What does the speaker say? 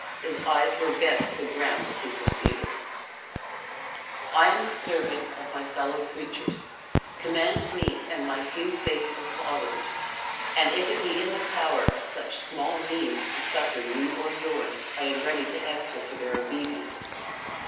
His eyes were bent to the ground as he proceeded: "I am the servant of my fellow creatures command me and my few faithful followers; and if it be in the power of such small means to succor you or yours, I am ready to answer for their obedience.